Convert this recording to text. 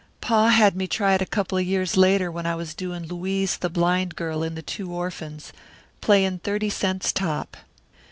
Pa had me try it a couple of years later when I was doin' Louise the blind girl in the Two Orphans, playin' thirty cents top.